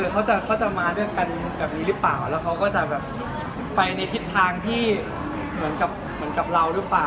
เขาจะมาด้วยกันแบบนี้หรือเปล่าแล้วเขาก็จะแบบไปในทิศทางที่เหมือนกับเหมือนกับเราหรือเปล่า